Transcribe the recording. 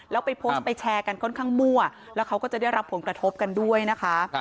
แล้วไปโพสต์ไปแชร์กันค่อนข้างมั่วแล้วเขาก็จะได้รับผลกระทบกันด้วยนะคะ